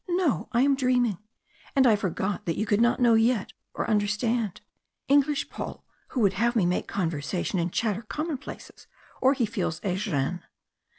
No, I am dreaming. And I forgot that you could not know yet, or understand. English Paul! who would have me make conversation and chatter commonplaces or he feels a _gêne!